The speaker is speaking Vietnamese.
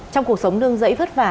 trong cuộc sống nương dẫy vất vả